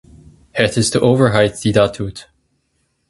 Het is de overheid die dat doet.